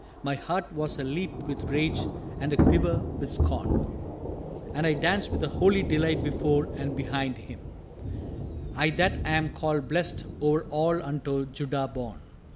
My heart was a leap with rage and a quiver with scorn. And I danced with a holy delight before and behind him I that am called blessèd o'er all unto Judah born.